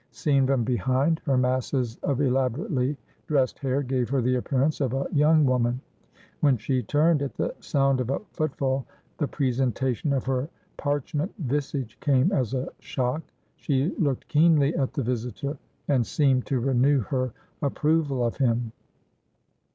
Seen from behind, her masses of elaborately dressed hair gave her the appearance of a young woman; when she turned at the sound of a footfall, the presentation of her parchment visage came as a shock. She looked keenly at the visitor, and seemed to renew her approval of him.